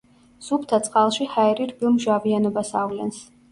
სუფთა წყალში ჰაერი რბილ მჟავიანობას ავლენს.